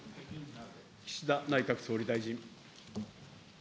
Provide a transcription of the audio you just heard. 岸田内閣総理大臣。